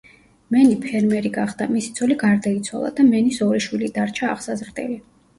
მენი ფერმერი გახდა, მისი ცოლი გარდაიცვალა და მენის ორი შვილი დარჩა აღსაზრდელი.